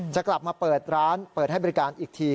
จะกลับมาเปิดร้านเปิดให้บริการอีกที